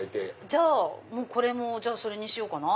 じゃあこれもそれにしようかな。